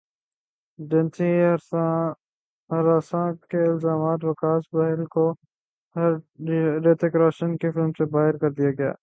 جنسی ہراساں کے الزامات وکاس بہل کو ہریتھک روشن کی فلم سے باہر کردیا گیا